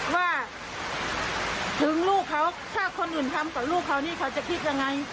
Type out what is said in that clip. ว่าถึงลูกเขาถ้าคนอื่นทำกับลูกเขานี่เขาจะคิดยังไง